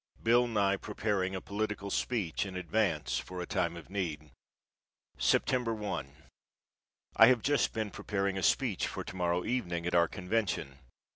BILL NYE PREPARING A POLITICAL SPEECH IN ADVANCE FOR A TIME OF NEED. Sept. 1. I have just been preparing a speech for to morrow evening at our convention.